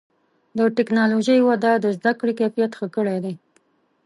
د ټکنالوجۍ وده د زدهکړې کیفیت ښه کړی دی.